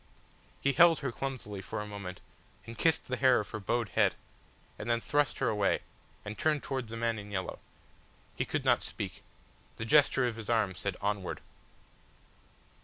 He held her clumsily for a moment, and kissed the hair of her bowed head, and then thrust her away, and turned towards the man in yellow. He could not speak. The gesture of his arm said "Onward."